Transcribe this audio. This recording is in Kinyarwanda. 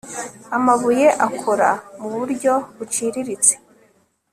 amabuye akora muburyo buciriritse